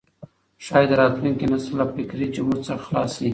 ښايي راتلونکی نسل له فکري جمود څخه خلاص سي.